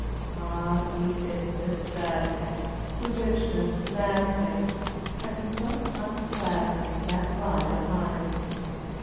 Ah, the Ifness sadd'ning, The Whichness madd'ning, And the But ungladd'ning, That lie behind!